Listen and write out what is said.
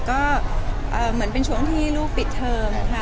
ก็เหมือนเป็นช่วงที่ลูกปิดเทิมค่ะ